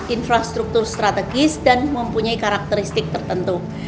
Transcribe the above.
infrastruktur strategis dan mempunyai karakteristik tertentu